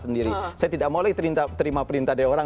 saya tidak mau lagi terima perintah dari orang